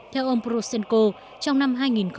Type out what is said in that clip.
theo ông poroshenko trong năm hai nghìn một mươi năm